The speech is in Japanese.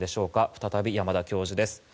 再び山田教授です。